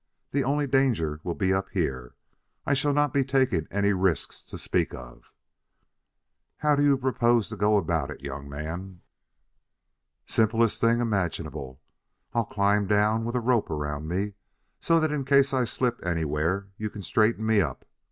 The only danger will be up here. I shall not be taking any risks to speak of " "How do you propose to go about it, young man?" "Simplest thing imaginable. I'll climb down with a rope around me, so that in case I slip anywhere you can straighten me up.